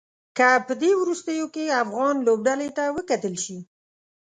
که په دې وروستيو کې افغان لوبډلې ته وکتل شي.